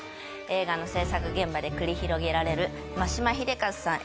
映画の制作現場で繰り広げられる眞島秀和さん